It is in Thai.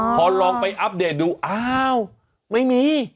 พอลองไปอัปเดตดูอ้าวไม่มี